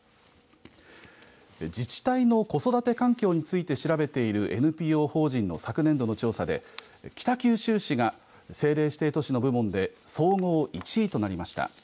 自治体の子育て環境について調べているＮＰＯ法人の昨年度の調査で、北九州市が政令指定都市の部門で総合１位となりました。